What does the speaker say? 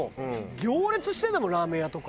行列してるんだもんラーメン屋とか。